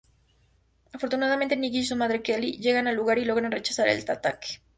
Afortunadamente Nick y su madre Kelly, llegan al lugar y logran rechazar el ataque.